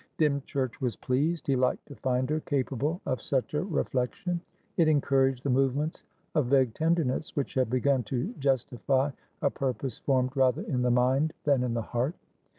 Dymchurch was pleased. He liked to find her capable of such a reflection. It encouraged the movements of vague tenderness which had begun to justify a purpose formed rather in the mind than in the heart.